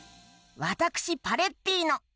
わたくしパレッティーノ。